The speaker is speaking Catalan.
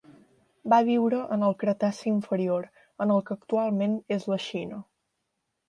Va viure en el Cretaci inferior, en el que actualment és la Xina.